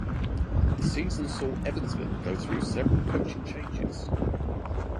The season saw Evansville go through several coaching changes.